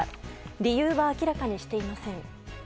理由は明らかにしていません。